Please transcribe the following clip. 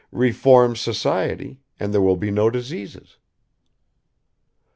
Reform society, and there will be no diseases."